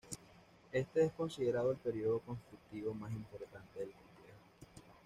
Este es considerado el periodo constructivo más importante del complejo.